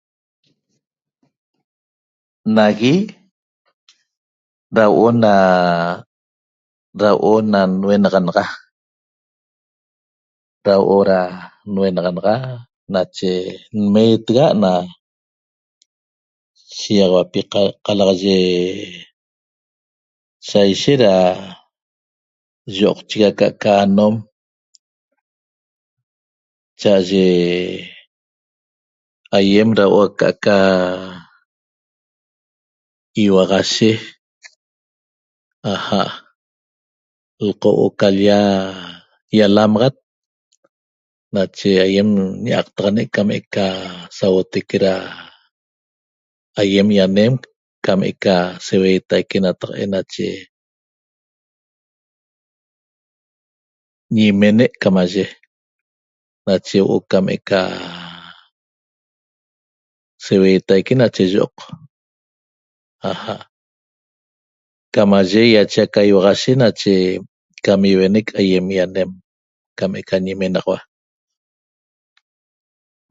Nagui da huo'o na... da huo'o na nhuenaxanaxa da huo'o da nhuenaxanaxa nache nmeetexa't na shiyaxauapi qalaxaye sa ishet da yi'oqchigui aca'aca anom cha'aye ayem da huo'o aca'aca iuaxashe 'aja' lqo' huo'o ca l-lla yalamaxat nache ayem ñaqtaxane' cam eca sauotaique da ayem yanem cam eca seuetaique nataq'en nache ñimene' camaye nache huo'o cam eca seuetaique nache yi'oq aja' camaye yache aca iuaxashe nache cam iuenec ayem ianem can eca ñi imenaxaua.